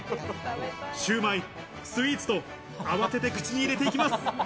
シュウマイ、スイーツと慌てて口に入れていきます。